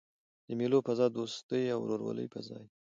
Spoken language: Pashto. د مېلو فضا د دوستۍ او ورورولۍ فضا يي.